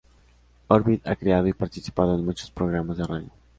Orbit ha creado y participado en muchos programas de radio.